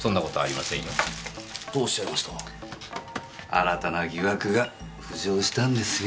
新たな疑惑が浮上したんですよ。